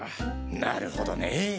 なるほどねぇ。